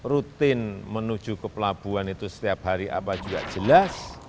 rutin menuju ke pelabuhan itu setiap hari apa juga jelas